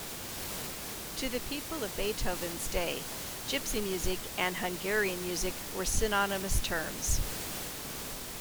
To people of Beethoven's day, "gypsy music" and "Hungarian music" were synonymous terms.